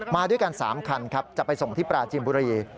มาด้วยกัน๓คันครับจะไปส่งที่ปราจีนบุรี